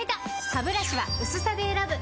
ハブラシは薄さで選ぶ！